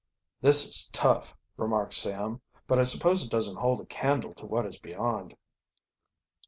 "This is tough," remarked Sam. "But I suppose it doesn't hold a candle to what is beyond."